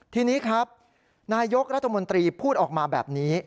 ทีนี้ครับนายกรัฐมนตรีพูดออกมาแบบนี้